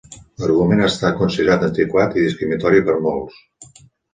L'argument ha estat considerat antiquat i discriminatori per molts.